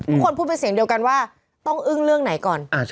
พูดเป็นเสียงเดียวกันว่าต้องอึ้งเรื่องไหนก่อน